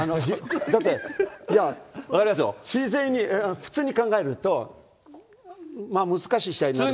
だって、普通に考えると、まあ、難しい試合になる。